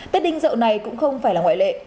tết đinh dậu này cũng không phải là ngoại lệ